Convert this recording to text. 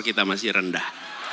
kita masih rendah